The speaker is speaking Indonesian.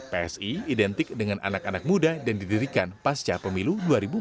psi identik dengan anak anak muda dan didirikan pasca pemilu dua ribu empat belas